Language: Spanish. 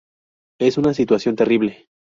Es una situación terrible.